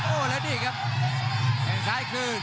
โอ้โหแล้วนี่ครับแข่งซ้ายคืน